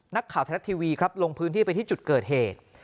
นักข่าวไทยรัฐทีวีครับลงพื้นที่ไปที่จุดเกิดเหตุ